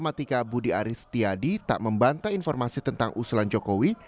ketika budi aris tiadi tak membantah informasi tentang usulan jokowi